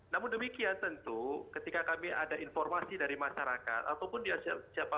namun demikian tentu ketika kami ada informasi dari masyarakat ataupun siapapun media gitu